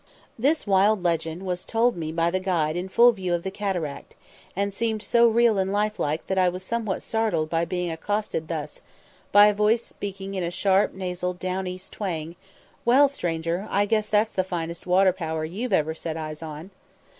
] This wild legend was told me by the guide in full view of the cataract, and seemed so real and life like that I was somewhat startled by being accosted thus, by a voice speaking in a sharp nasal down east twang: "Well, stranger, I guess that's the finest water power you've ever set eyes on."